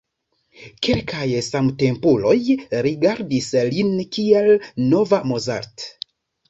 Kelkaj samtempuloj rigardis lin kiel nova Mozart.